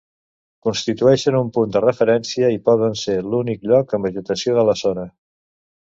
Constitueixen un punt de referència i poden ser l'únic lloc amb vegetació de la zona.